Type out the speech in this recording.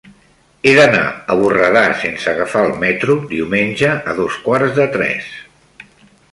He d'anar a Borredà sense agafar el metro diumenge a dos quarts de tres.